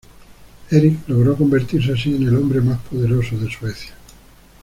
Erik logró convertirse así en el hombre más poderoso de Suecia.